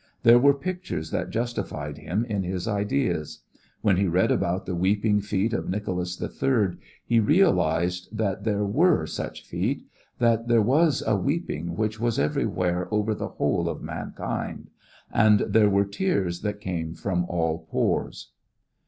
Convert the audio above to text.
There were pictures that justified him in his ideas; when he read about the weeping feet of Nicholas the Third, he realized that there were such feet, that there was a weeping which was everywhere, over the whole of mankind, and there were tears that came from all pores.